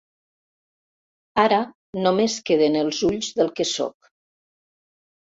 Ara només queden els ulls del que sóc.